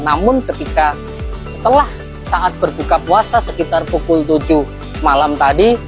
namun ketika setelah saat berbuka puasa sekitar pukul tujuh malam tadi